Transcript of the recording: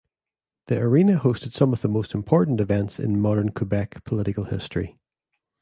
The arena hosted some of the most important events in modern Quebec political history.